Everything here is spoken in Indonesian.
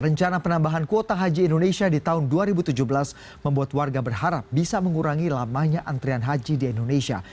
rencana penambahan kuota haji indonesia di tahun dua ribu tujuh belas membuat warga berharap bisa mengurangi lamanya antrian haji di indonesia